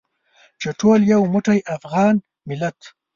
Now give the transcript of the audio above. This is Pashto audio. چې ټول یو موټی افغان ملت.